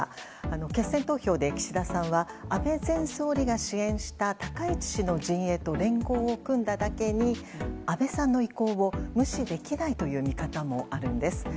決選投票で岸田さんは安倍前総理が支援した高市氏の陣営と連合を組んだだけに安倍さんの意向を無視できないという見方もあるんです。